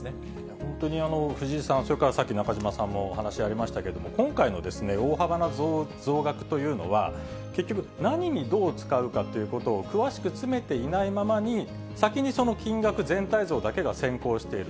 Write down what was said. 本当に藤井さん、それからさっき中島さんもお話ありましたけれども、今回の大幅な増税というのは、結局、何にどう使うかということを詳しく詰めていないままに、先に金額、全体像だけが先行している。